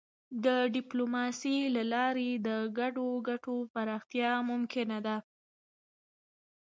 د ډيپلوماسی له لارې د ګډو ګټو پراختیا ممکنه ده.